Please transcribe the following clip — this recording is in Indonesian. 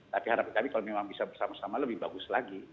tapi harapan kami kalau memang bisa bersama sama lebih bagus lagi